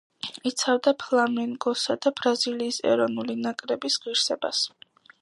იცავდა „ფლამენგოსა“ და ბრაზილიის ეროვნული ნაკრების ღირსებას.